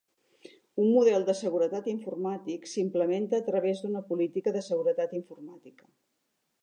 Un model de seguretat informàtic s'implement a través d'una política de seguretat informàtica.